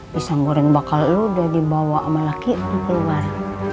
pisang goreng bakal lu udah dibawa sama laki keluar